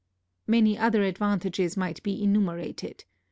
Many other advantages might be enumerated.